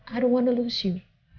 aku gak mau kehilangan kamu